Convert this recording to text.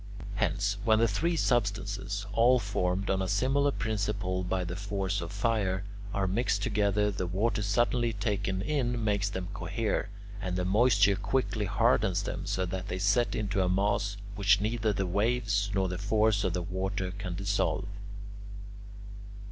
Hence, when the three substances, all formed on a similar principle by the force of fire, are mixed together, the water suddenly taken in makes them cohere, and the moisture quickly hardens them so that they set into a mass which neither the waves nor the force of the water can dissolve.